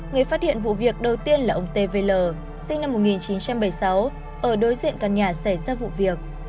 người phát hiện vụ việc đầu tiên là ông tvl sinh năm một nghìn chín trăm bảy mươi sáu ở đối diện căn nhà xảy ra vụ việc